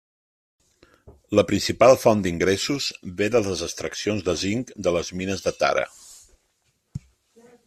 La principal font d'ingressos ve de les extraccions de zinc de les mines de Tara.